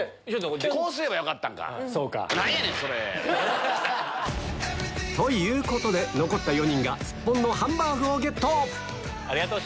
こうすればよかったんか。ということで残った４人がスッポンのハンバーグをゲットありがとう！